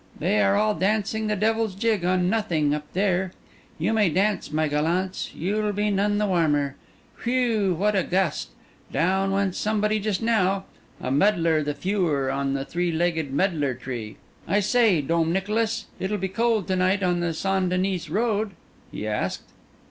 "They are all dancing the devil's jig on nothing, up there. You may dance, my gallants, you'll be none the warmer! Whew! what a gust! Down went somebody just now! A medlar the fewer on the three legged medlar tree!—I say, Dom Nicolas, it'll be cold to night on the St. Denis Road?" he asked.